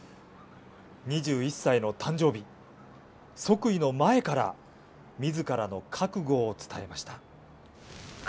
２１歳の誕生日、即位の前からみずからの覚悟を伝えました。